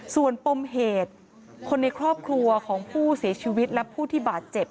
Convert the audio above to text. ส่วนปมเหตุคนในครอบครัวของผู้เสียชีวิตและผู้ที่บาดเจ็บ